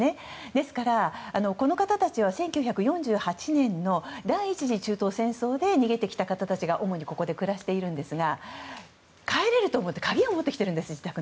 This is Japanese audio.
ですからこの方たちは１９４８年の第１次中東戦争で逃げてきた方たちが主にここで暮らしているんですが帰れると思って自宅の鍵を持ってきているんです。